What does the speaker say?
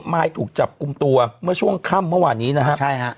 มายถูกจับกลุ่มตัวเมื่อช่วงค่ำเมื่อวานนี้นะครับใช่ฮะ